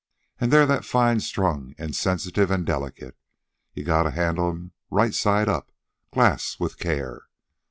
An' they're that fine strung, an' sensitive, an' delicate. You gotta handle 'em right side up, glass, with care.